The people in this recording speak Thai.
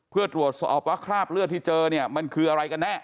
เพื่อตรวจสอบว่าคราบเลือดที่เจอเนี่ยมันคืออะไรกันแน่